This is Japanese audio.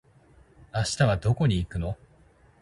明日はどこに行くの？